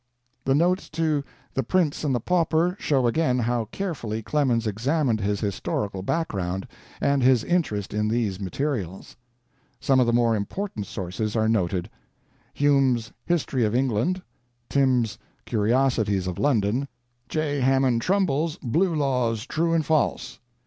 The notes to 'The Prince and the Pauper' show again how carefully Clemens examined his historical background, and his interest in these materials. Some of the more important sources are noted: Hume's 'History of England', Timbs' 'Curiosities of London', J. Hammond Trumbull's 'Blue Laws, True and False'.